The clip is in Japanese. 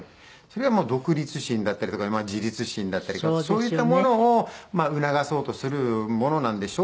それはもう独立心だったりとか自立心だったりとかそういったものを促そうとするものなんでしょうけれども。